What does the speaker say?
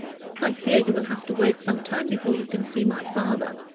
I fear you will have to wait some time before you can see my father.